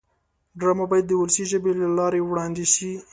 ډرامه باید د ولسي ژبې له لارې وړاندې شي